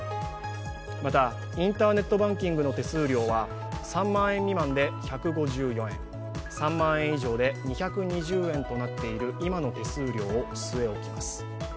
また、インターネットバンキングの手数料は３万円未満で１５４円、３万円以上で２２０円となっている今の手数料を据え置きます。